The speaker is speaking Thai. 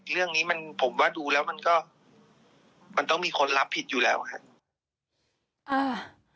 เรื่องนี้มันผมว่าดูแล้วมันก็มันต้องมีคนรับผิดอยู่แล้วครับอ่า